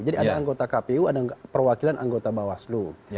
jadi ada anggota kpu ada perwakilan anggota bawas lu